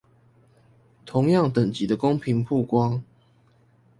同樣等級的公平曝光